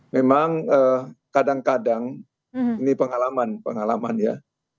memang kadang kadang ini pengalaman pengalaman ya